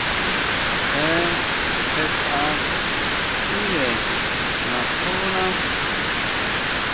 Je jetʼa sʼíre natjóná.